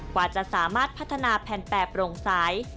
กว่าจะสามารถพัฒนาแผ่นแปรโปร่งใส